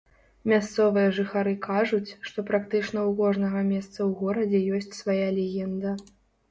Мясцовыя жыхары кажуць, што практычна ў кожнага месца ў горадзе ёсць свая легенда.